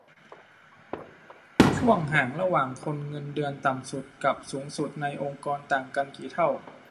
ช่วงห่างระหว่างคนเงินเดือนต่ำสุดกับสูงสุดในองค์กรต่างกันกี่เท่า